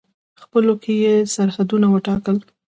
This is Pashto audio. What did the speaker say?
خپلو کې یې سرحدونه وټاکل.